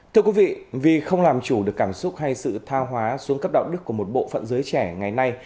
thưa quý vị vì không làm chủ được cảm xúc hay sự tha hóa xuống cấp đạo đức của một bộ phận giới trẻ ngày nay